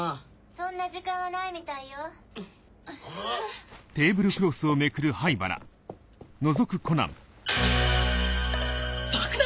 ・そんな時間はないみたいよ・爆弾